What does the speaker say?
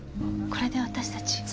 これで私たち。